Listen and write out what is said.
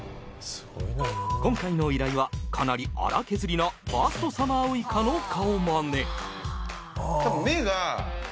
今回の依頼はかなり粗削りなファーストサマーウイカの顔まね。